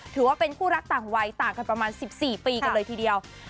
ถือว่าเป็นคู่รักต่างวัยต่างกันประมาณ๑๔ปีกันเลยทีเดียว